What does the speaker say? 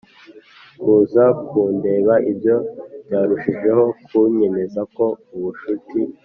kuza kundeba Ibyo byarushijeho kunyemeza ko ubucuti